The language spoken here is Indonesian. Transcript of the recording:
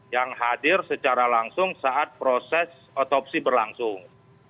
yang hadir secara langsung saat proses otopsi berlangsung